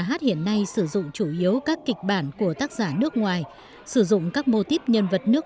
hát hiện nay sử dụng chủ yếu các kịch bản của tác giả nước ngoài sử dụng các mô típ nhân vật nước